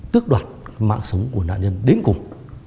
tước đoạt mạng sống của nạn nhân đến cùng